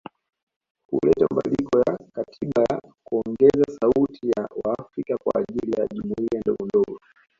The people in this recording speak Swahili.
Huleta mabadiliko ya katiba ya kuongeza sauti ya waafrika kwa ajili ya jumuiya ndogondogo